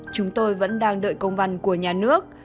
chúng tôi vẫn đang đợi công văn của nhà nước